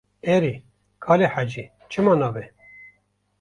Erê, kalê hecî, çima nabe.